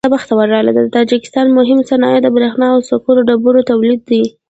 د تاجکستان مهم صنایع د برېښنا او سکرو ډبرو تولید دی.